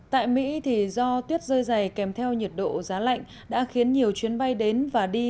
tại mỹ do tuyết rơi dày kèm theo nhiệt độ giá lạnh đã khiến nhiều chuyến bay đến và đi